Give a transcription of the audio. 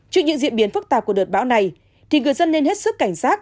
trước những diễn biến phức tạp của đợt bão này thì người dân nên hết sức cảnh giác